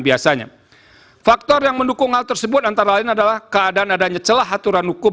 biasanya faktor yang mendukung hal tersebut antara lain adalah keadaan adanya celah aturan hukum